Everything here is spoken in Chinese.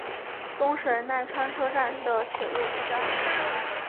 东神奈川车站的铁路车站。